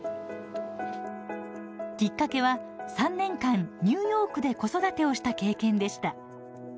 きっかけは３年間ニューヨークで子育てをした経験でした。